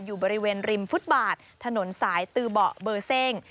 อยู่บริเวณริมฟุตบาทถนนสายตือเบาะเบอร์เซ่ง